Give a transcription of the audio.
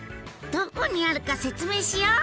どこにあるか説明しよう！